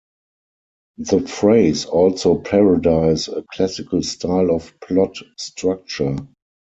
The phrase also parodies a classical style of plot structure.